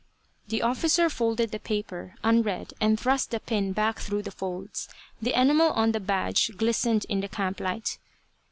The officer folded the paper, unread, and thrust the pin back through the folds. The enamel on the badge glistened in the camp light.